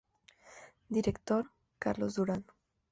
Director: Carlos Durán.